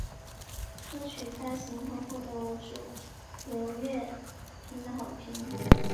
歌曲发行后获得了主流乐评的好评。